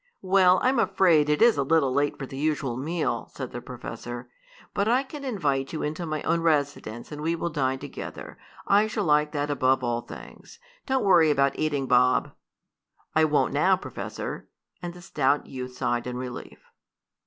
"Well, I'm afraid it is a little late for the usual meal," said the professor. "But I can invite you into my own residence and we will dine together. I shall like that above all things. Don't worry about eating, Bob." "I won't now, Professor," and the stout youth sighed in relief.